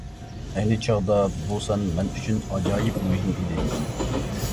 ئەينى چاغدا بۇ سان مەن ئۈچۈن ئاجايىپ مۇھىم ئىدى.